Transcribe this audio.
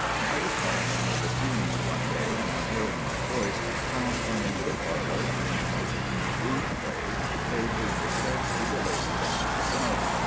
I was calling on the Bethunes one day, and on hearing my voice, Tom came into the parlor and in the most uncouth way paid his respects to the ladies and myself.